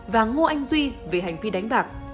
và ngô anh duy về hành vi đánh bạc